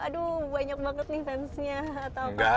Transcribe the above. aduh banyak banget nih fansnya